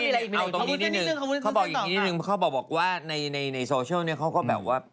เอาตรงนี้นิดนึงเขาบอกอย่างนี้นิดนึงเขาบอกว่าในในโซเชียลเนี่ยเขาก็แบบว่า